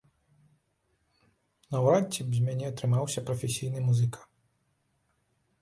Наўрад ці б з мяне атрымаўся прафесійны музыка.